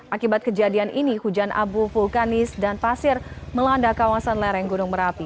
akibat kejadian ini hujan abu vulkanis dan pasir melanda kawasan lereng gunung merapi